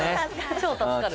超助かる。